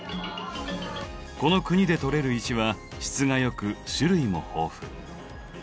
この国で採れる石は質が良く種類も豊富。